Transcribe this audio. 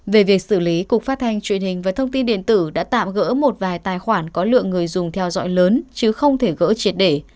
về việc xử lý cục phát thanh truyền hình và thông tin điện tử đã tạm gỡ một vài tài khoản có lượng người dùng theo dõi lớn chứ không thể gỡ triệt để